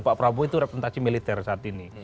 pak prabowo itu representasi militer saat ini